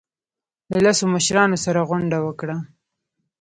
له لسو مشرانو سره غونډه وکړه.